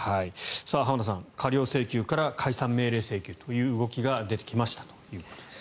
浜田さん、過料請求から解散命令請求という動きが出てきましたということです。